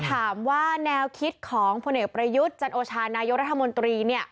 ถามว่าแนวคิดของพลเอกประยุทธ์จันโอชานายกรัฐมนตรี